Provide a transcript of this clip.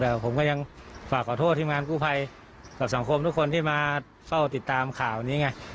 แต่ผมก็ยังฝากขอโทษทีมงานกู้ภัยกับสังคมทุกคนที่มาเฝ้าติดตามข่าวนี้ไง